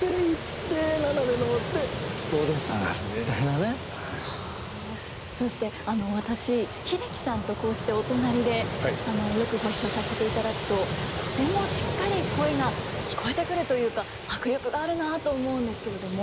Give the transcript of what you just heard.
七五というのはちょうどこうそして私英樹さんとこうしてお隣でよくご一緒させていただくととてもしっかり声が聞こえてくるというか迫力があるなあと思うんですけれども。